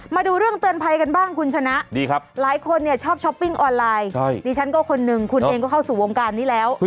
มาดูเรื่องเตือนภัยกันบ้างคุณชนะหลายคนเนี่ยชอบช้อปปิ้งออนไลน์ดิฉันก็คนหนึ่งคุณเองก็เข้าสู่วงการนี้แล้ว